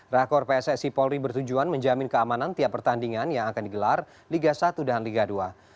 rakor pssi polri bertujuan menjamin keamanan tiap pertandingan yang akan digelar liga satu dan liga dua